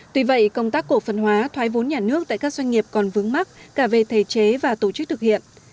tuy vậy công tác cổ phần hóa thoái vốn nhà nước tại các doanh nghiệp còn vướng mắt cả về thể chế và tổ chức thực hiện